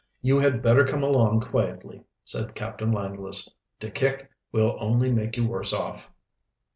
"You had better come along quietly," said Captain Langless. "To kick will only make you worse off."